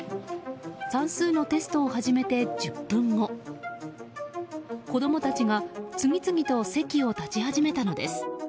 算数のテストを始めて１０分後子供たちが次々と席を立ち始めたのです。